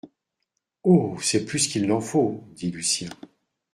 Oh, c’est plus qu’il n’en faut, dit Lucien